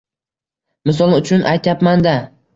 Misol uchun aytyapman-da.